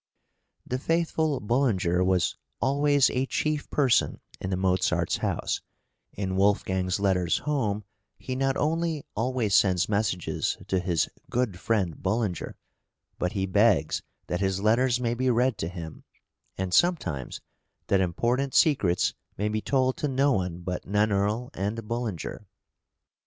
"The faithful Bullinger" was "always a chief person" in the Mozarts' house; in Wolfgang's letters home he not only always sends messages to his "good friend Bullinger," but he begs that his letters may be read to him, and sometimes that important secrets may be told to no one but Nannerl and Bullinger.